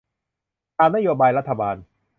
ตามนโยบายรัฐบาล